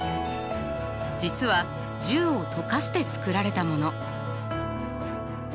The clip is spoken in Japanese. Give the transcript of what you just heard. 実は銃を溶かして作られたもの。